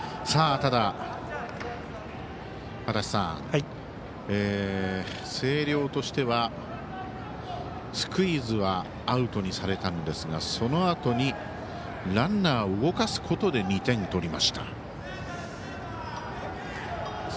ただ、足達さん星稜としてはスクイズはアウトにされたんですがそのあとにランナーを動かすことで２点を取りました。